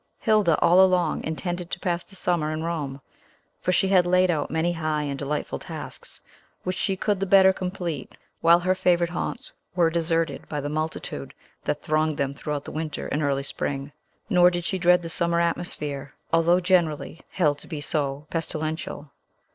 Hilda all along intended to pass the summer in Rome; for she had laid out many high and delightful tasks, which she could the better complete while her favorite haunts were deserted by the multitude that thronged them throughout the winter and early spring. Nor did she dread the summer atmosphere, although generally held to be so pestilential.